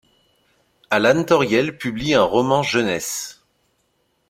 Allan Toriel publie un roman jeunesse.